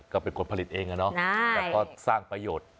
ก็เป็นคนผลิตเองอะเนาะแต่ก็สร้างประโยชน์